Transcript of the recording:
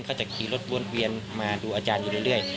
ก็จะขี่รถวนเวียนมาดูอาจารย์อยู่เรื่อย